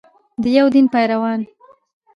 د یو دین پیروان.